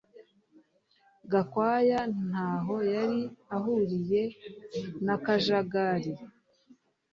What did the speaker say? Gakwaya ntaho yari ahuriye nakajagari